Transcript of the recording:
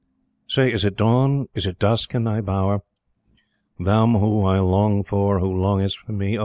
"Say, is it dawn, is it dusk in thy Bower, Thou whom I long for, who longest for me?